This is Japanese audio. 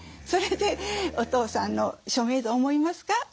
それで「お父さんの署名と思いますか？